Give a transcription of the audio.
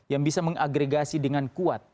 yang bisa mengagregasi dengan kuat